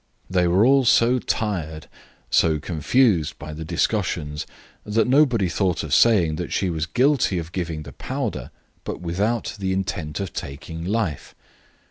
They were all so tired, so confused by the discussions, that nobody thought of saying that she was guilty of giving the powder but without the intent of taking life.